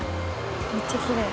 めっちゃきれい。